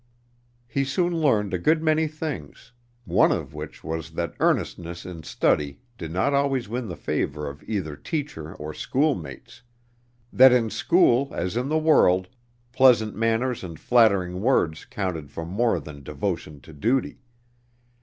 He soon learned a good many things; one of which was that earnestness in study did not always win the favor of either teacher or schoolmates; that in school, as in the world, pleasant manners and flattering words counted for more than devotion to duty.